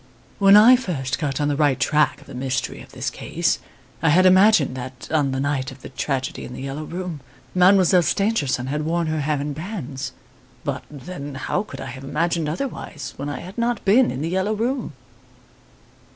When I first got on the right track of the mystery of this case I had imagined that, on the night of the tragedy in The "Yellow Room", Mademoiselle Stangerson had worn her hair in bands. But then, how could I have imagined otherwise when I had not been in "The Yellow Room"!